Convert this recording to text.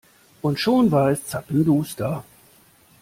Und schon war es zappenduster.